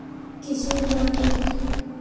কিছুই না, ঠিক?